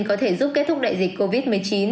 có thể giúp kết thúc đại dịch covid một mươi chín